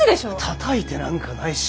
たたいてなんかないし。